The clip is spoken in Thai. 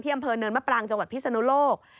อำเภอเนินมะปรางจังหวัดพิศนุโลก